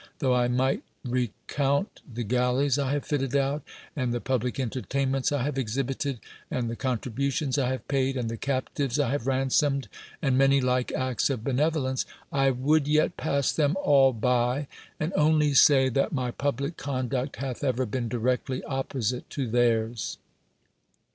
tho I might re count the galleys I have fitted out, and the pub lic entertainments I have exhibited and the con tributions I have paid, and the captives I have ransomed, and many like acts of benevolence, I would yet pass them all by, and only say that my public conduct hath ever been directly oppo site to theirs.